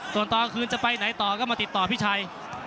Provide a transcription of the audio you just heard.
ส่วนตอนคืนจะไปไหนต่อก็มาติดต่อพี่ชัย